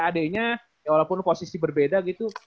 adiknya ya walaupun posisi berbeda gitu